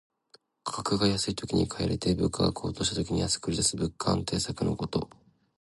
価格が安いときに買い入れて、物価が高騰した時に安く売りだす物価安定策のこと。